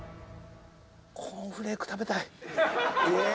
コーンフレークが食べたい。